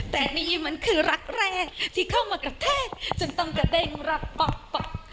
แต่นี่มันคือรักแรกที่เข้ามากระแทกจนต้องกระเด้งรักป๊อกป๊อก